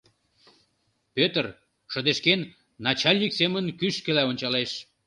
Пӧтыр, шыдешкен, начальник семын кӱшкыла ончалеш.